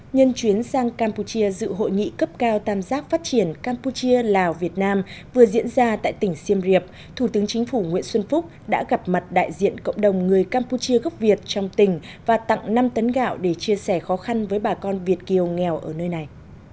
nhân chuyến sang campuchia dự hội nghị cấp cao tam giác phát triển campuchia lào việt nam vừa diễn ra tại tỉnh xiêm riệp thủ tướng chính phủ nguyễn xuân phúc đã gặp mặt đại diện cộng đồng người campuchia gốc việt trong tỉnh và tặng năm tấn gạo để chia sẻ khó khăn với bà con việt kiều nghèo ở nơi này